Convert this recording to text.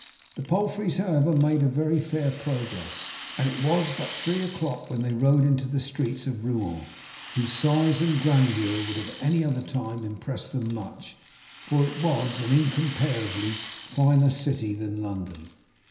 The palfreys, however, made very fair progress, and it was but three o'clock when they rode into the streets of Rouen, whose size and grandeur would at any other time have impressed them much, for it was an incomparably finer city than London.